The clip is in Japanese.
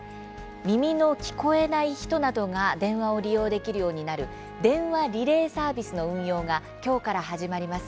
耳の聞こえない人などが電話を利用できるようになる電話リレーサービスの運用がきょうから始まります。